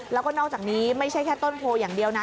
แล้วก็นอกจากนี้ไม่ใช่แค่ต้นโพอย่างเดียวนะ